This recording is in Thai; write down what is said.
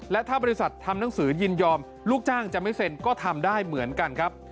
และถ้าบริษัททำหนังสือยินยอมลูกจ้างจะไม่เซ็นก็ทำได้เหมือนกันครับ